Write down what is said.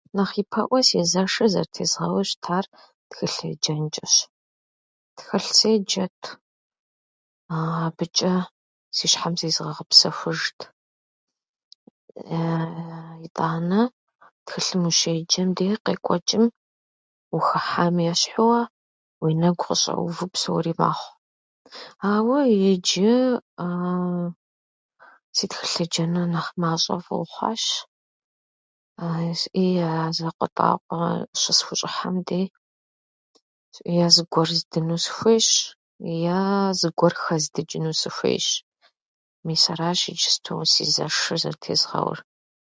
Нэхъ ипэӏуэ си зэшыр зэрытезгъэуу щытар тхылъ еджэнчӏэщ. Тхылъ седжэт, аабычӏэ си щхьэм зезгъэгъэпсэхужт. Итӏанэ тхылъым ущеджэм дей къекӏуэчӏым ухыхьам ещхьууэ уи нэгу къыщӏэувэу псори мэхъу, ауэ иджы си тхылъ еджэныр нэхъ мащӏэ фӏыуэ хъуащ. и а закъуэтӏакъуэ щысхущӏыхьэм дей е зыгуэр здыну сыхуейщ, ее зыгуэр хэздычӏыну сыхуейщ. Мис аращ иджысту си зэшыр зэртезгъэур.